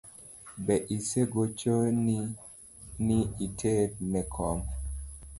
Be osegochoni ni iter ne kom?